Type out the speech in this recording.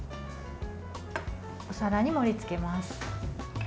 お皿に盛りつけます。